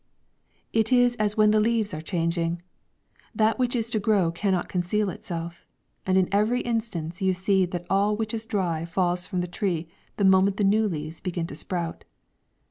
It is as when the leaves are changing; that which is to grow cannot conceal itself, and in every instance you see that all which is dry falls from the tree the moment the new leaves begin to sprout.